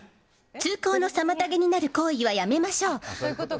通行の妨げになる行為はやめましょう。